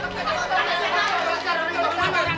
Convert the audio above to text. jangan jangan jangan